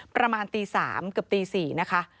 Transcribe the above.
ประมาณตี๓เกือบตี๔นะคะ